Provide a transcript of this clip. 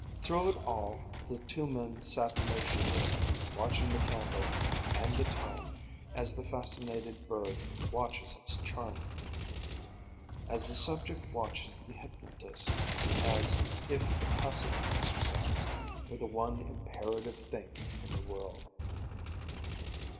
Through it all the two men sat motionless, watching the candle and the time, as the fascinated bird watches its charmer; as the subject watches the hypnotist, as if the passive exercise were the one imperative thing in the world.